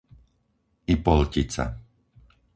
Ipoltica